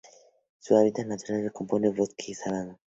Su hábitat natural se compone de bosque y sabana.